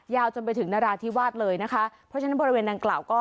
จนไปถึงนราธิวาสเลยนะคะเพราะฉะนั้นบริเวณดังกล่าวก็